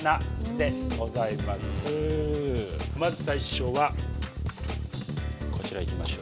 まず最初はこちらいきましょう。